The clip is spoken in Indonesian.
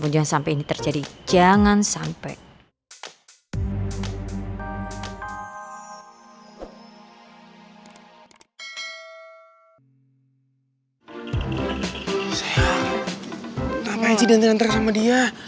jangan sampai ini terjadi jangan sampai dia